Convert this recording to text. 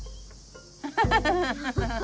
ハハハハハ。